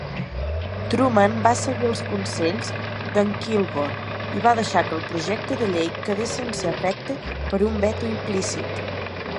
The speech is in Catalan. Truman va seguir els consells de"n Kilgore i va deixar que el projecte de llei quedés sense efecte per un veto implícit.